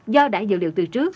do đã dự liệu từ trước